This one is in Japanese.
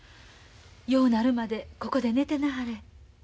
ようなるまでここで寝てなはれ。